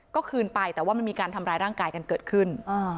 ก็คืนไปแต่ว่ามันมีการทำร้ายร่างกายกันเกิดขึ้น